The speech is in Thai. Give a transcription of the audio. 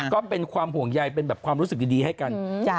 ก็เป็นความห่วงใยเป็นแบบความรู้สึกดีให้กัน